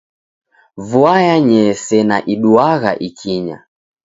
Vua yanyee sena iduagha ikinya.